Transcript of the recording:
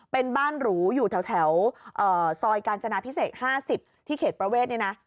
เป็นบ้านหรูอยู่แถวซอยกาญจนาพิเศษ๕๐ที่เขตประเวทเนี่ยนะ